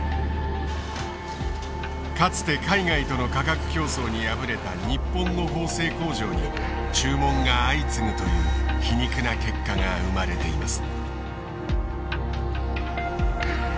かつて海外との価格競争に敗れた日本の縫製工場に注文が相次ぐという皮肉な結果が生まれています。